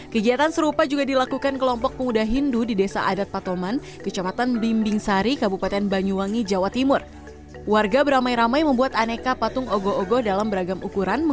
kegiatan serupa juga dilakukan di banyar semangka